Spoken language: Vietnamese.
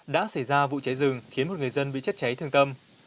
đã xảy ra vụ cháy rừng khiến một người dân bị chết cháy thương tâm